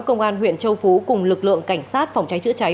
công an huyện châu phú cùng lực lượng cảnh sát phòng cháy chữa cháy